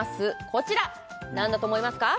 こちら何だと思いますか？